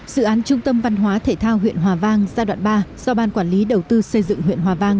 dự án trung tâm văn hóa thể thao huyện hòa vang giai đoạn ba do ban quản lý đầu tư xây dựng huyện hòa vang